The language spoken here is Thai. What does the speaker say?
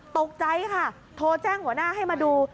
ตกใจค่ะโทรแจ้งหัวหน้าให้มาดู